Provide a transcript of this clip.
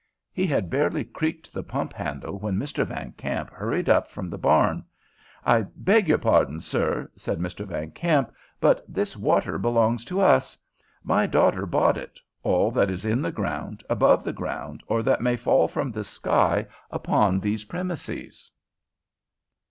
He had barely creaked the pump handle when Mr. Van Kamp hurried up from the barn. "I beg your pardon, sir," said Mr. Van Kamp, "but this water belongs to us. My daughter bought it, all that is in the ground, above the ground, or that may fall from the sky upon these premises."